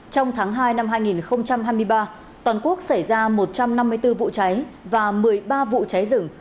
trong tháng hai năm hai nghìn hai mươi ba toàn quốc xảy ra một trăm năm mươi bốn vụ cháy và một mươi ba vụ cháy rừng